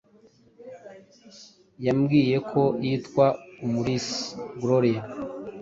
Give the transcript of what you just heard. Yambwiye ko yitwa Umulisa Gloria